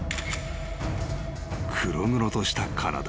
［黒々とした体］